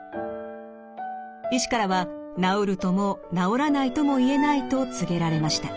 医師からは「治るとも治らないとも言えない」と告げられました。